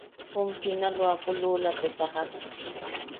Jum Sinaloapo luula te sajak.